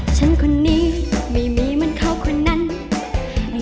ใจรองได้ช่วยกันรองด้วยนะคะ